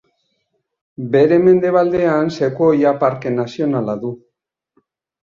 Bere mendebaldean Sekuoia Parke Nazionala du.